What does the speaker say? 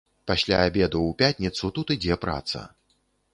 Пасля абеду ў пятніцу тут ідзе праца.